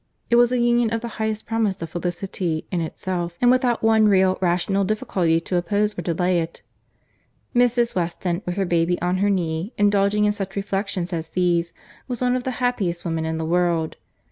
It was a union of the highest promise of felicity in itself, and without one real, rational difficulty to oppose or delay it. Mrs. Weston, with her baby on her knee, indulging in such reflections as these, was one of the happiest women in the world.